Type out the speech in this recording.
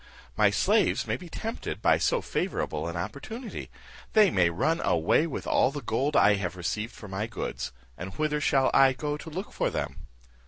My slaves may be tempted by so favourable an opportunity; they may run away with all the gold I have received for my goods, and whither shall I go to look for them?"